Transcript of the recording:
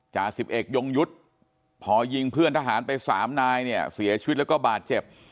จ่าสิบเอกยงยุทธ์พอยิงเพื่อนทหารไปสามนายเนี่ยเสียชีวิตแล้วก็บาดเจ็บ